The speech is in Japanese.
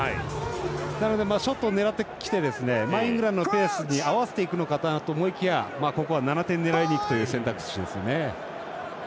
なので、ショットを狙ってきてイングランドのペースに合わせていくのかなと思いきやここは７点を狙いにいく選択肢ですよね。